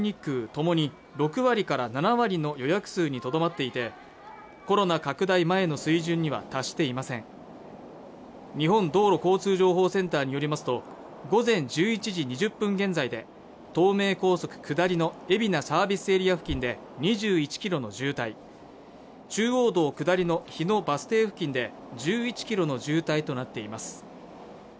ともに６割から７割の予約数にとどまっていてコロナ拡大前の水準には達していません日本道路交通情報センターによりますと午前１１時２０分現在で東名高速下りの海老名サービスエリア付近で２１キロの渋滞中央道下りの日野バス停付近で１１キロの渋滞となっています